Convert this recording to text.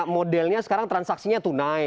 modelnya sekarang transaksinya tunai